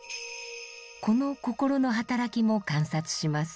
この心の働きも観察します。